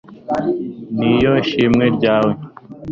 ni yo shimwe ryawe